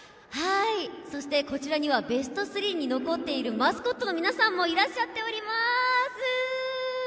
こちらにはベスト３に残っているマスコットの皆さんもいらっしゃっております。